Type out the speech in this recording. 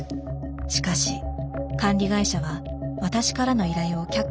しかし管理会社は私からの依頼を却下。